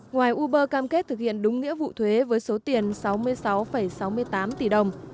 ngoài uber cam kết thực hiện đúng nghĩa vụ thuế với số tiền sáu mươi sáu sáu mươi tám tỷ đồng